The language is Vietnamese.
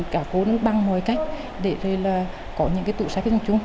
cả cô nó băng mọi cách để có những cái tụ sách trong chung